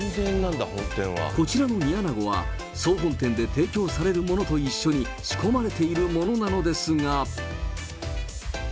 こちらの煮穴子は、総本店で提供されるものと一緒に仕込まれているものなのですが。